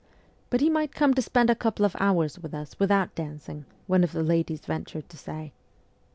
'But he might come to spend a couple of hours with us, without dancing,' one of the ladies ventured to say.